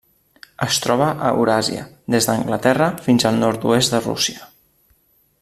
Es troba a Euràsia: des d'Anglaterra fins al nord-oest de Rússia.